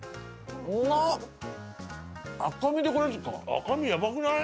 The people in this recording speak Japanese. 赤身やばくない？